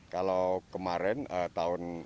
kalau kemarin tahun